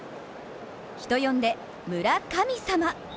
人呼んで、村神様。